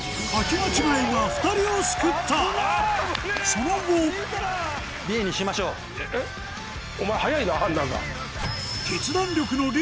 その後お前早いな判断が。